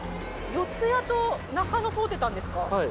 四ツ谷と中野通ってたんですか